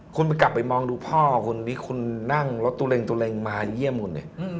คุณไปกลับไปมองดูพ่อคุณคุณนั่งรถตูเล็งมาเยี่ยมคุณ